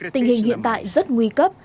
tình hình hiện tại rất nguy cấp